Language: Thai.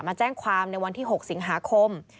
มาแจ้งความในวันที่๖สิงหาคม